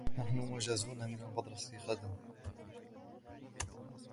نحن مجازون من المدرسة غدًا.